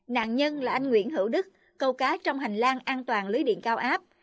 nạn nhân là anh nguyễn hữu đức câu cá trong hành lang an toàn lưới điện cao áp